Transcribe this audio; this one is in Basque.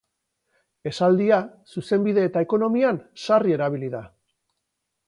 Esaldia zuzenbide eta ekonomian sarri erabili da.